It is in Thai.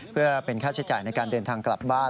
เพื่อเป็นค่าใช้จ่ายในการเดินทางกลับบ้าน